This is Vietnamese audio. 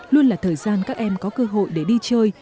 luôn là thời gian các em có cơ hội để đi chơi